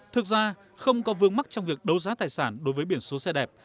thực ra không có vương mắc trong việc đấu giá tài sản đối với biển số xe đẹp